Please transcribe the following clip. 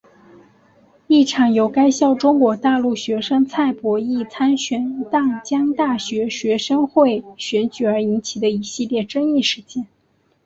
一场由该校中国大陆学生蔡博艺参选淡江大学学生会选举而引起的一系列争议事件。